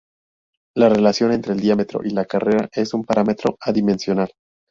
La relación entre el diámetro y la carrera es un parámetro adimensional.